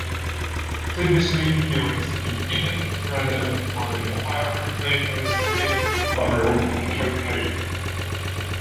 Previously he was the event planner for the Park Playhouse in Cobourg, Ontario.